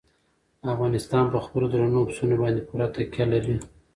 افغانستان په خپلو درنو پسونو باندې پوره تکیه لري.